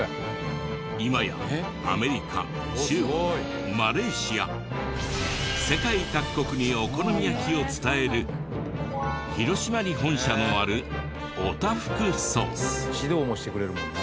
今やアメリカ中国マレーシア世界各国にお好み焼きを伝える広島に本社のある指導もしてくれるもんね。